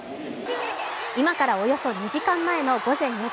今からおよそ２時間前の午前４時。